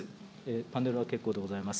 パネルは結構でございます。